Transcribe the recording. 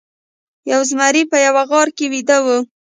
یو زمری په یوه غار کې ویده و.